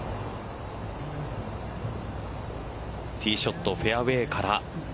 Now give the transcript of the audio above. ティーショットフェアウエーから。